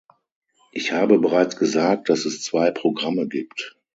Ich habe bereits gesagt, dass es zwei Programme gibt.